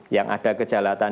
yang ada kejahatan